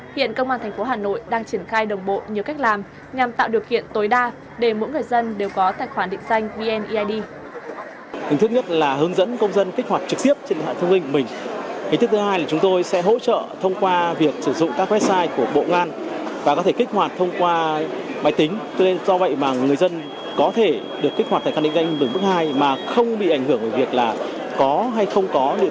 hiện công an thành phố hà nội đang triển khai đồng bộ nhiều cách làm nhằm tạo điều kiện tối đa để mỗi người dân đều có tài khoản định danh bneid